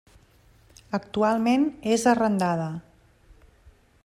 Actualment és arrendada.